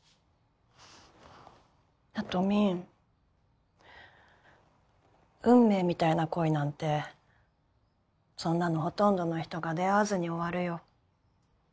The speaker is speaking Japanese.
サトミン運命みたいな恋なんてそんなのほとんどの人が出会わずに終わるよ。